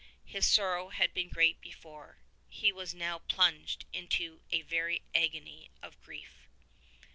His sorrow had been great before: he was now plunged into a very agony of grief.